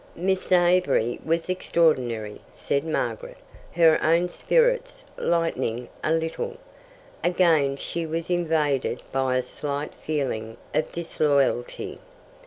"Miss Avery was extraordinary," said Margaret, her own spirits lightening a little. Again she was invaded by a slight feeling of disloyalty.